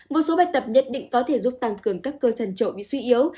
một số bài tập nhất định có thể giúp tăng cường các cơ sản trậu bị suy yếu